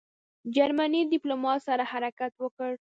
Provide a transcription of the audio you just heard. جرمني ډیپلوماټ سره حرکت وکړ.